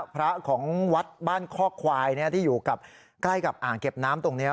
พระของวัดบ้านข้อควายที่อยู่ใกล้กับอ่างเก็บน้ำตรงนี้